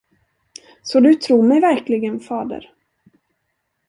Så du tror mig verkligen, fader?